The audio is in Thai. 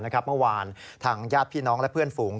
เมื่อวานทางญาติพี่น้องและเพื่อนฝูง